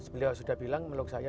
beliau sudah bilang meluk saya